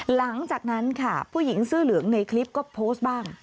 หลังจากนั้นค่ะผู้หญิงเสื้อเหลืองในคลิปก็โพสต์บ้าง